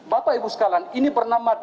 bapak ibu sekalian ini bernama dpr ri